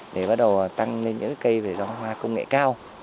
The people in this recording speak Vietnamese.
để bắt đầu tăng lên những cây để đón hoa công nghệ cao